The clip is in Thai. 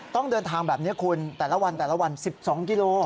ต้องเดินทางแบบนี้คุณแต่ละวันแต่ละวัน๑๒กิโล